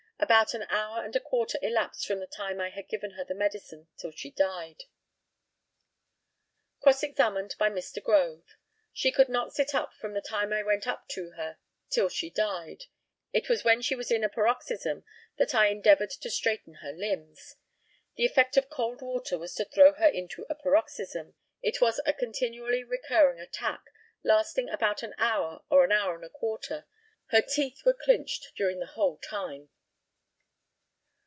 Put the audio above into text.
About an hour and a quarter elapsed from the time I gave her the medicine till she died. Cross examined by Mr. GROVE: She could not sit up from the time I went up to her till she died. It was when she was in a paroxysm that I endeavoured to straighten her limbs. The effect of cold water was to throw her into a paroxysm. It was a continually recurring attack, lasting about an hour or an hour and a quarter. Her teeth were clinched during the whole time.